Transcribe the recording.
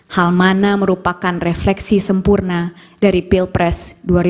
hal mana merupakan refleksi sempurna dari pilpres dua ribu sembilan belas